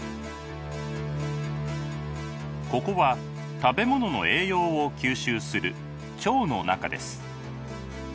ここは食べ物の栄養を吸収する腸の中です。